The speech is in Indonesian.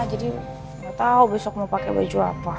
jadi gak tau besok mau pakai baju apa